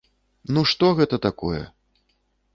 Ну што гэта такое?